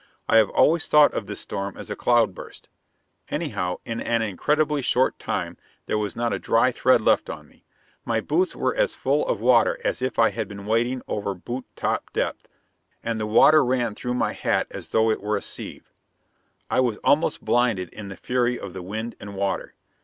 I have always thought of this storm as a cloudburst. Anyhow, in an incredibly short time there was not a dry thread left on me. My boots were as full of water as if I had been wading over boot top depth, and the water ran through my hat as though it were a sieve. I was almost blinded in the fury of the wind and water.